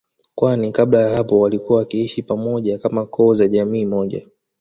kwani kabla ya hapo walikuwa wakiishi pamoja kama koo za jamii moja